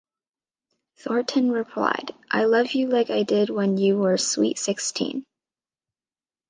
Thornton replied, I love you like I did when you were sweet sixteen.